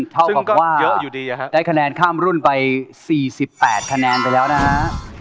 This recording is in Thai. เท่ากับว่าเยอะอยู่ดีได้คะแนนข้ามรุ่นไป๔๘คะแนนไปแล้วนะฮะ